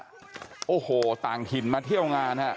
มีแต่ผู้เล่นเก่งนี่ฮะโอ้โหต่างถิ่นมาเที่ยวงานฮะ